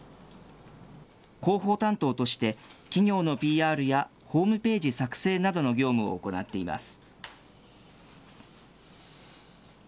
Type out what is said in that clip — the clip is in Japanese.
広報担当として、企業のＰＲやホームページ作成などの業務を行っています。